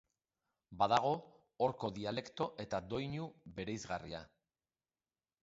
Badago horko dialekto eta doinu bereizgarria.